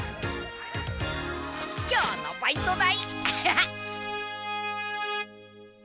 今日のバイト代！